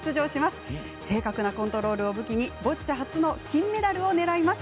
正確なコントロールを武器にボッチャ初の金メダルを狙います。